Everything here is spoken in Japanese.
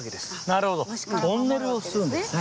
なるほどトンネルをするんですね。